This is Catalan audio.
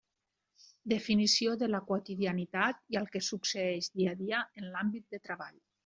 Definició de la quotidianitat i el que succeeix dia a dia en l'àmbit de treball.